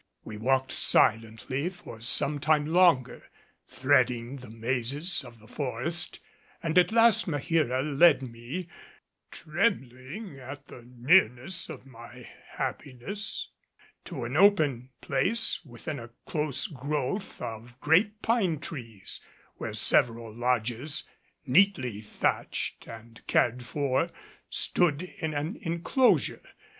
We walked silently for some time longer, threading the mazes of the forest, and at last Maheera led me, trembling at the nearness of my happiness, to an open place within a close growth of great pine trees where several lodges, neatly thatched and cared for, stood in an enclosure.